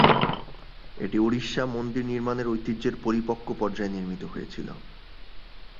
এটি উড়িষ্যা মন্দির নির্মানের ঐতিহ্যের পরিপক্ব পর্যায়ে নির্মিত হয়েছিল।